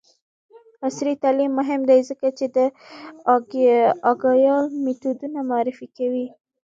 عصري تعلیم مهم دی ځکه چې د اګایل میتودونه معرفي کوي.